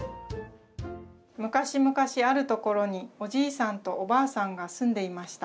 昔々あるところにおじいさんとおばあさんが住んでいました。